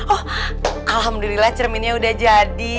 oh alhamdulillah cerminnya udah jadi